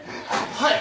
はい。